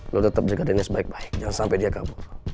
lo tetap jaga diri sebaik baik jangan sampai dia kabur